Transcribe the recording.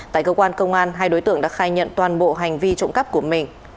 tại cơ quan công an hai đối tượng đã khai nhận toàn bộ hành vi trộm cắp của mình